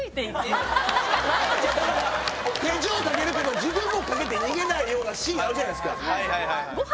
だから手錠かけるけど自分もかけて逃げないようなシーンあるじゃないですか。